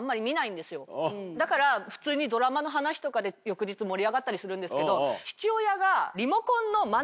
だから普通にドラマの話とかで翌日盛り上がったりするんですけど。